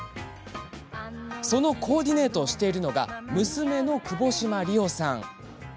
そのコーディネートをしているのが娘の、くぼしまりおさん。